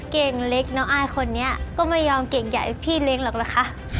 เก่งเล็กตอนนี้อายก็ไม่ยอมเก่งใหญ่พี่เล็กหรอกละค่ะ